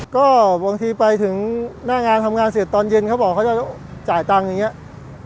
ก็บางทีไปถึงหน้างานทำงานเสร็จตอนเย็นเขาบอกเขาจะจ่ายตังค์อย่างนี้